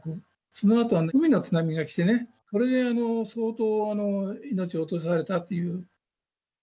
そのあとは海の津波が来てね、それで相当、命を落とされたという。